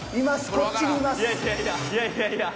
こっちにいます！